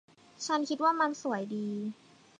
ฉันคิดว่ามันสวยดี